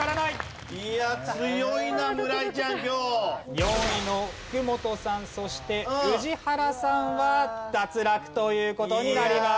４位の福本さんそして宇治原さんは脱落という事になります。